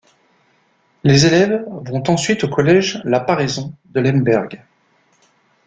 Les élèves vont ensuite au collège La Paraison de Lemberg.